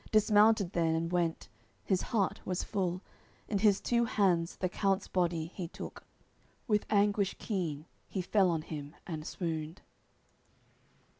Dismounted then, and went his heart was full, In his two hands the count's body he took; With anguish keen he fell on him and swooned.